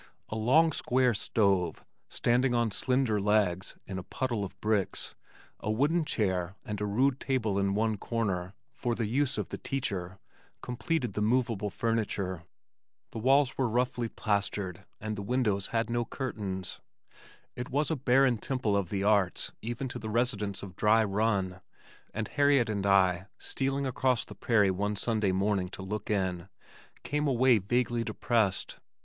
A long square stove (standing on slender legs in a puddle of bricks), a wooden chair, and a rude table in one corner, for the use of the teacher, completed the movable furniture. The walls were roughly plastered and the windows had no curtains. It was a barren temple of the arts even to the residents of Dry Run, and Harriet and I, stealing across the prairie one Sunday morning to look in, came away vaguely depressed.